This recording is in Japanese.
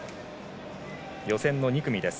予選の２組です。